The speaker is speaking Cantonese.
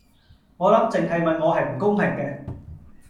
我諗淨係問我係唔公平嘅